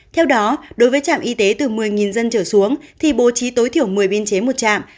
theo đó đối với trạm y tế từ một mươi dân trở xuống thì bố trí tối thiểu một mươi biên chế một chạm